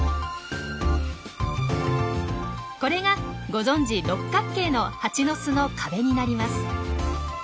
これがご存じ六角形のハチの巣の壁になります。